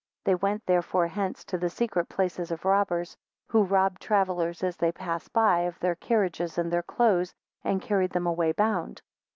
3 They went therefore hence to the secret places of robbers, who robbed travellers as they pass by, of their carriages and their clothes and carried them away bound.